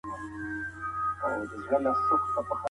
ما د سبا لپاره د کور کارونه ترسره کړي دي.